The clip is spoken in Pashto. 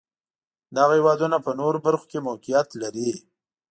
دغه هېوادونه په نورو برخو کې موقعیت لري.